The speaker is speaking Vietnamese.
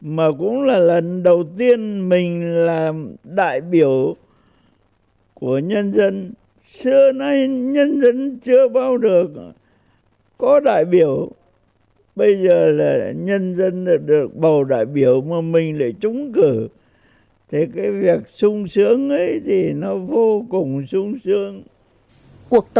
mà cũng là lần đầu tiên mình là một trong số ba trăm ba mươi ba thành viên quốc hội đầu tiên của ủy ban cách mạng bắc bộ